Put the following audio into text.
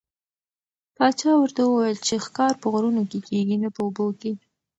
پاچا ورته وویل چې ښکار په غرونو کې کېږي نه په اوبو کې.